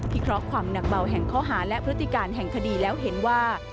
เคราะห์ความหนักเบาแห่งข้อหาและพฤติการแห่งคดีแล้วเห็นว่า